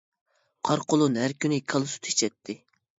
قارا قۇلۇن ھەر كۈنى كالا سۈتى ئىچەتتى.